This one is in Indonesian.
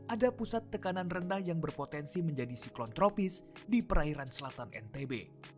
ada pusat tekanan rendah yang berpotensi menjadi siklon tropis di perairan selatan ntb